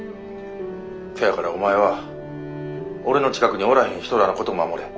そやからお前は俺の近くにおらへん人らのこと守れ。